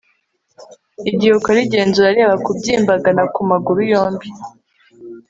igihe ukora igenzura, reba kubyimbagana ku maguru yombi